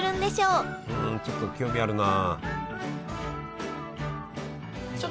うんちょっと興味あるな。